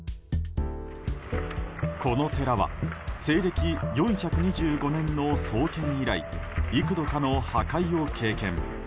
この寺は西暦４２５年の創建以来幾度かの破壊を経験。